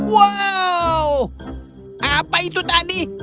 wow apa itu tadi